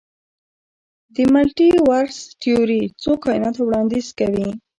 د ملټي ورس تیوري څو کائنات وړاندیز کوي.